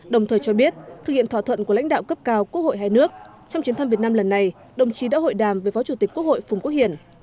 đồng thời cho biết thực hiện thỏa thuận của lãnh đạo cấp cao quốc hội hai nước trong chuyến thăm việt nam lần này đồng chí đã hội đàm với phó chủ tịch quốc hội phùng quốc hiển